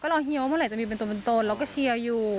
ก็รอเฮียวว่าเมื่อไหร่จะมีเป็นตนเราก็เชียร์อยู่